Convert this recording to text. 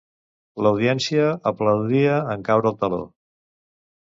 L'audiència aplaudia en caure el teló?